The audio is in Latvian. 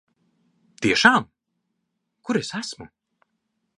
Tiešām? Kur es esmu?